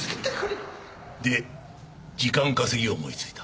で時間稼ぎを思いついた。